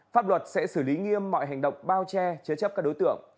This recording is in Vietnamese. pháp luật sẽ xử lý nghiêm mọi hành động bao che chế chấp các đối tượng